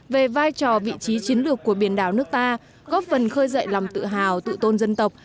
về vai trò vị trí chiến lược của biển đảo nước ta góp phần khơi dậy lòng tự hào tự tôn dân tộc